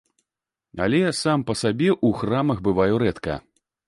Але сам па сабе ў храмах бываю рэдка.